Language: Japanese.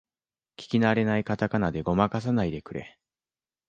聞きなれないカタカナでごまかさないでくれ